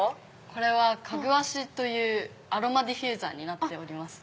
これは「かぐわし」というアロマディフューザーになっております。